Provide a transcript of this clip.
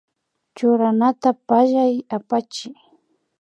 Churanata pallay apachiy